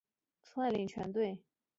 伯克在旗舰奥斯本上统帅全队。